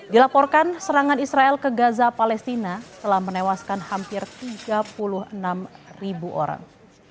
dilaporkan serangan israel ke gaza palestina telah menewaskan hampir tiga puluh enam ribu orang